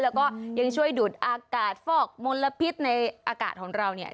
แล้วก็ยังช่วยดูดอากาศฟอกมลพิษในอากาศของเราเนี่ย